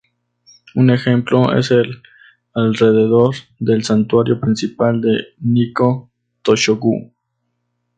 Un ejemplo es el Alrededor del santuario principal de Nikkō Tōshō-gū.